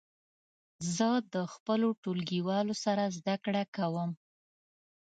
زه د خپلو ټولګیوالو سره زده کړه کوم.